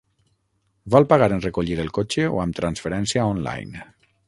Vol pagar en recollir el cotxe o amb transferència online?